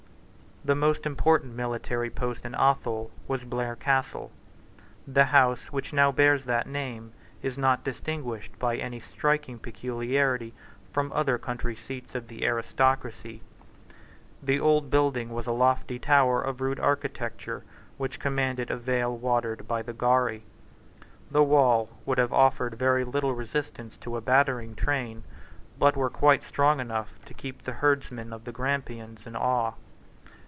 The most important military post in Athol was Blair Castle. The house which now bears that name is not distinguished by any striking peculiarity from other country seats of the aristocracy. The old building was a lofty tower of rude architecture which commanded a vale watered by the Garry. The walls would have offered very little resistance to a battering train, but were quite strong enough to keep the herdsmen of the Grampians in awe.